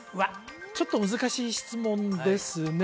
ちょっと難しい質問ですね